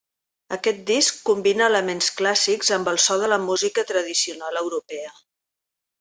Aquest disc combina elements clàssics amb el so de la música tradicional europea.